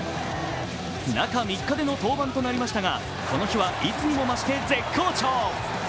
中３日での登板となりましたがこの日はいつにも増して絶好調。